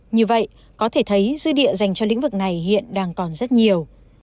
như vậy có thể thấy dư địa dành cho lĩnh vực này hiện đang còn rất nhiều